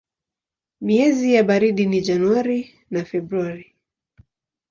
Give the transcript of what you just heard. Miezi ya baridi ni Januari na Februari.